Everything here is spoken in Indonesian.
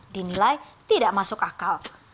dinilai tidak masuk akal